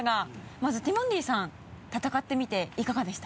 まずティモンディさん戦ってみていかがでした？